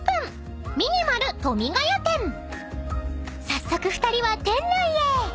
［早速２人は店内へ］